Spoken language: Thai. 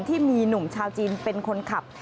ที่มีหนุ่มชาวจีนเป็นคนขับ